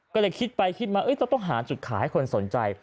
ก็เลยคิดไปคิดมาต้องหาจุดขายให้คนสนใจ